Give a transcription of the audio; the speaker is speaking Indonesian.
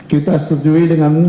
kita setujui dengan